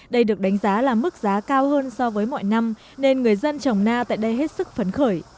đây được đánh giá là mức giá cao hơn so với mọi năm nên người dân trồng na tại đây hết sức phấn khởi